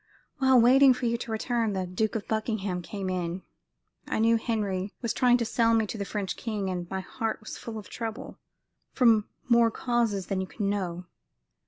"While waiting for you to return, the Duke of Buckingham came in. I knew Henry was trying to sell me to the French king, and my heart was full of trouble from more causes than you can know.